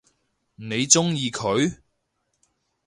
你鍾意佢？